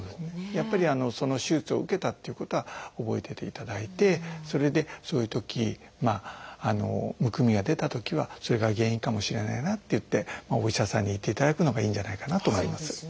やっぱりその手術を受けたっていうことは覚えてていただいてそれでそういうときむくみが出たときはそれが原因かもしれないなっていってお医者さんに行っていただくのがいいんじゃないかなと思います。